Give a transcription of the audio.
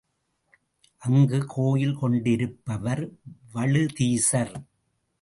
அங்கு கோயில் கொண்டிருப்பவர் வழுதீசர்.